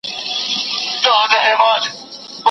په شخص کي د ښېګڼو شتون هغه لا بریالی کوي.